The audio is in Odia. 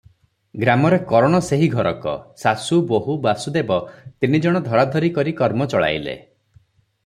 ଗ୍ରାମରେ କରଣ ସେହି ଘରକ; ଶାଶୁ, ବୋହୂ, ବାସୁଦେବ ତିନିଜଣ ଧରାଧରି କରି କର୍ମ ଚଳାଇଲେ ।